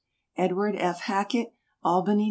Edwd. F. Hackett. Albany, N.